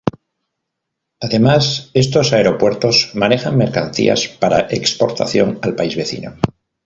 Además estos aeropuertos manejan mercancía para exportación al país vecino.